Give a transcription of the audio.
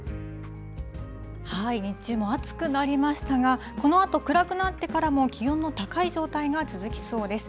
日中も暑くなりましたが、このあと暗くなってからも、気温の高い状態が続きそうです。